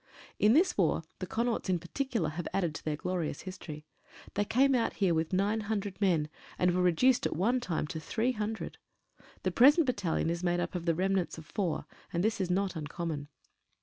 In this war the Connaughts in particular have added to their glorious history. They came out here with 900 men, and were reduced at one time to 300. The present battalion is made up of the remnants of four, and this is not uncommon.